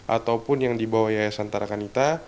ataupun yang dibawa yayasan tarakanita